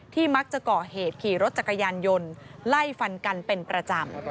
มักจะก่อเหตุขี่รถจักรยานยนต์ไล่ฟันกันเป็นประจำ